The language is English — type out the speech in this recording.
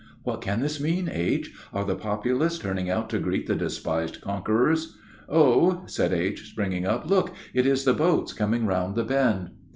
"What can this mean, H.? Are the populace turning out to greet the despised conquerors?" "Oh," said H., springing up, "look! It is the boats coming around the bend."